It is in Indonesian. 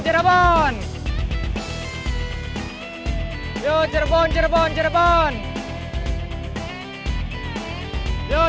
coba dari sini